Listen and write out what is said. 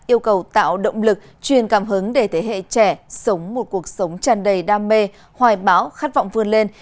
yêu cầu tạo động lực truyền cảm hứng để thế hệ trẻ sống một cuộc sống tràn đầy đam mê hoài báo khát vọng vươn lên